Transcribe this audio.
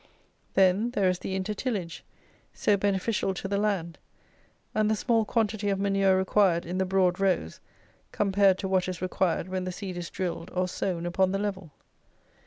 Then, there is the inter tillage, so beneficial to the land, and the small quantity of manure required in the broad rows, compared to what is required when the seed is drilled or sown upon the level.